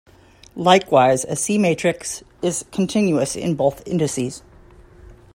Likewise, a 'cmatrix', is continuous in both indices.